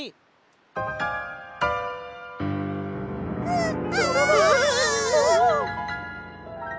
うわ。